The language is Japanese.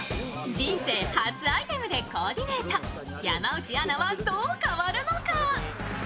人生初アイテムでコーディネート、山内アナはどう変わるのか。